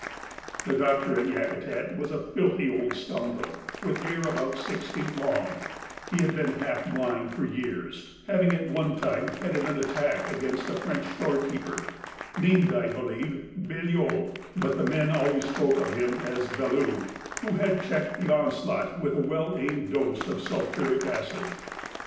The doctor at Yakutat was a filthy old scoundrel, with hair about six feet long; he had been half blind for years, having at one time headed an attack against a French storekeeper (named, I believe, Belœil, but the men always spoke of him as Bellew), who had checked the onslaught with a well aimed dose of sulphuric acid.